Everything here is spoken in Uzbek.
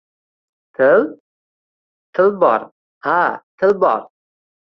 — Til? Til, bor, ha, til bor!